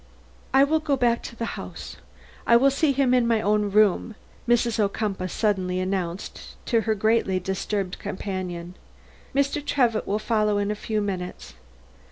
"I will go back to the house; I will see him in my own room," Mrs. Ocumpaugh suddenly announced to her greatly disturbed companion. "Mr. Trevitt will follow in a few minutes.